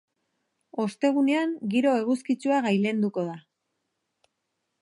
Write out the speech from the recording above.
Ostegunean giro eguzkitsua gailenduko da.